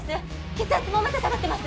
血圧もまた下がってます